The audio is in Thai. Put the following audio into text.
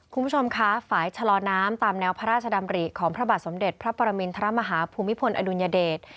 คุณผู้ชมคะฝ่ายชะลอน้ำตามแนวพระราชดำริของพระบาทสมเด็จพระปรมินทรมาฮาภูมิพลอดุลยเดช